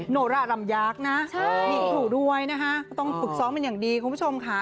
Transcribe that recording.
โนรารำยากนะมีถูกด้วยนะคะก็ต้องฝึกซ้อมเป็นอย่างดีคุณผู้ชมค่ะ